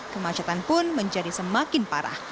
kemacetan pun menjadi semakin parah